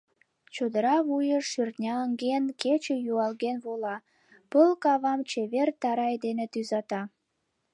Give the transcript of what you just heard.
Чодыра вуйым шӧртняҥден, кече юалген вола, пыл кавам чевер тарай дене тӱзата.